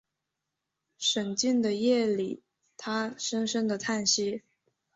沈静的夜里他深深的叹息